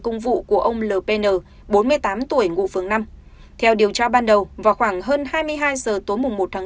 công vụ của ông l p n bốn mươi tám tuổi ngụ phương năm theo điều tra ban đầu vào khoảng hơn hai mươi hai h tối một bốn